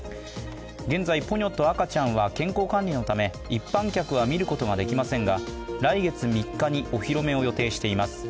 現在、ポニョと赤ちゃんは健康管理のため一般客は見ることができませんが来月３日にお披露目を予定しています。